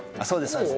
そうです。